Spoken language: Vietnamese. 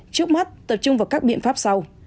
trước mắt tập trung vào các biện pháp sau